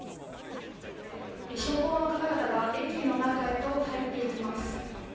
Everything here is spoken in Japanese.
消防の方々が駅の中へと入っていきます。